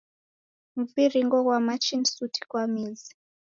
Mviringo ghwa machi ni suti kwa mzi.